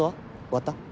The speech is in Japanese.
終わった？